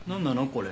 これ。